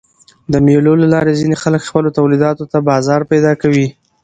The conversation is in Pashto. د مېلو له لاري ځيني خلک خپلو تولیداتو ته بازار پیدا کوي.